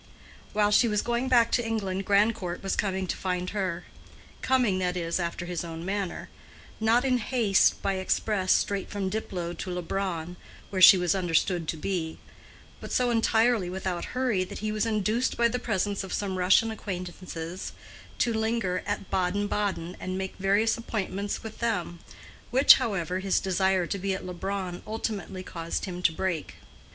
While she was going back to England, Grandcourt was coming to find her; coming, that is, after his own manner—not in haste by express straight from Diplow to Leubronn, where she was understood to be; but so entirely without hurry that he was induced by the presence of some Russian acquaintances to linger at Baden Baden and make various appointments with them, which, however, his desire to be at Leubronn ultimately caused him to break.